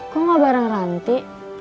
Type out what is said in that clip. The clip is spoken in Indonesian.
kok gak bareng ranti